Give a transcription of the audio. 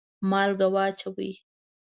مالګه واچوئ